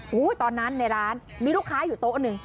ดูตอนนั้นในร้านมีลูกค้าอยู่โต๊ะนึง